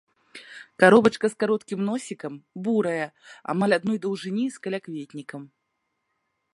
Каробачка з кароткім носікам, бурая, амаль адной даўжыні з калякветнікам.